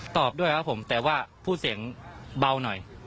ตอบด้วยครับผมแต่ว่าพูดเสียงเบาหน่อย